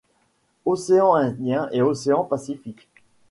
Océan Indien et Océan Pacifique.